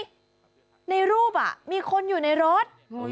ในรูปมีคนอยู่ในรถ